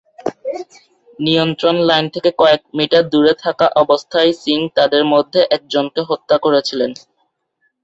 নিয়ন্ত্রণ লাইন থেকে কয়েক মিটার দূরে থাকা অবস্থায় সিং তাদের মধ্যে একজনকে হত্যা করেছিলেন।